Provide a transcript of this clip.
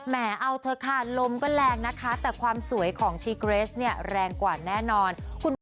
เอาเถอะค่ะลมก็แรงนะคะแต่ความสวยของชีเกรสเนี่ยแรงกว่าแน่นอน